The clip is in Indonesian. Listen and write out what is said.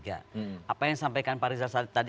apa yang sampaikan pak rizal tadi